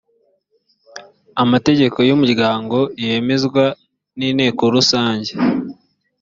amategeko y umuryango yemezwa n inteko rusange